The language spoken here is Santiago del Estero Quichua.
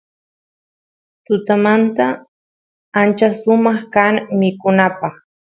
tutamanta ancha sumaq kan mikunapaq